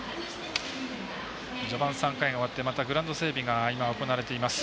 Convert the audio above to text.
序盤３回が終わってまたグラウンド整備が今、行われています。